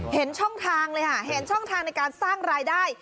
เห็นช่องทางเลยค่ะเห็นช่องทางในการสร้างรายได้